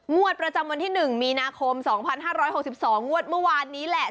งวดประจำวันที่๑มีนาคม๒๕๖๒งวดเมื่อวานนี้แหละ